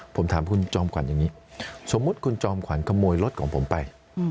ผมถามคุณจอมขวัญอย่างนี้สมมุติคุณจอมขวัญขโมยรถของผมไป